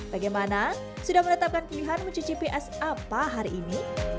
bagaimana sudah menetapkan pilihan mencicipi es apa hari ini